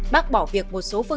bác bỏ việc một số phương tiện